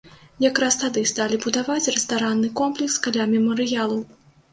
Якраз тады сталі будаваць рэстаранны комплекс каля мемарыялу.